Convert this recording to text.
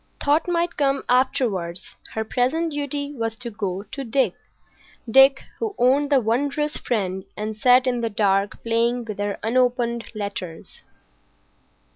Thought might come afterwards. Her present duty was to go to Dick,—Dick who owned the wondrous friend and sat in the dark playing with her unopened letters.